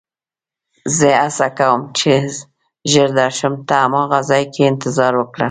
زه هڅه کوم چې ژر درشم، ته هماغه ځای کې انتظار وکړه.